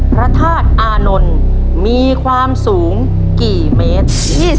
พระธาตุอานนท์มีความสูงกี่เมตร